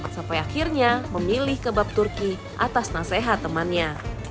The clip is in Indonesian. sampai akhirnya memilih kebab turki atas nasihat temannya